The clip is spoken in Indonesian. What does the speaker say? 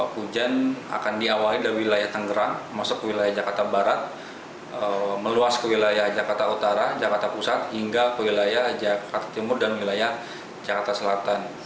hujan akan diawali dari wilayah tangerang masuk ke wilayah jakarta barat meluas ke wilayah jakarta utara jakarta pusat hingga ke wilayah jakarta timur dan wilayah jakarta selatan